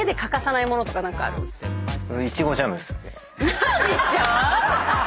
嘘でしょ！